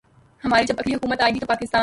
ہماری جب اگلی حکومت آئے گی تو پاکستان